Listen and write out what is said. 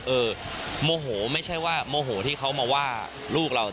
โมโหไม่ใช่ว่าโมโหที่เขามาว่าลูกเรา